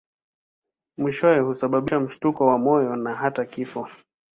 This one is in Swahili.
Mwishowe husababisha mshtuko wa moyo na hata kifo.